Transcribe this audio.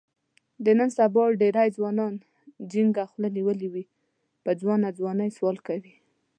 د نن سبا ډېری ځوانانو جینګه خوله نیولې وي، په ځوانه ځوانۍ سوال کوي.